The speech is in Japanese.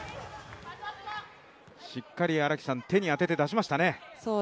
しっかり手に当てて出しましたね。